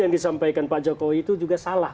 yang disampaikan pak jokowi itu juga salah